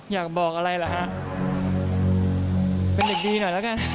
อยากบอกอะไรเหรอฮะ